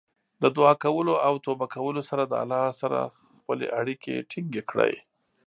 د دعا کولو او توبه کولو سره د الله سره خپلې اړیکې ټینګې کړئ.